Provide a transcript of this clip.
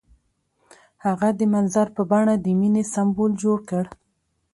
هغه د منظر په بڼه د مینې سمبول جوړ کړ.